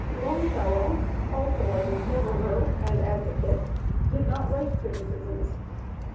Longfellow, also a dis coverer and advocate, did not write criticisms.